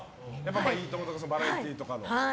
「いいとも！」とかバラエティーとかの。